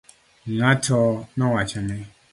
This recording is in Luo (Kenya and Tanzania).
Ng'ato nowachone.